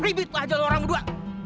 ribit aja lu orang dua